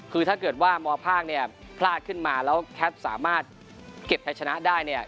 คือถ้าเกิดว่ามภาคพลาดขึ้นมาแล้วแค๊ตสามารถเก็บให้ชนะได้